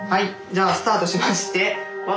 じゃあスタートしまして。